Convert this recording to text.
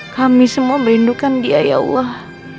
kami semua merindukan dia ya allah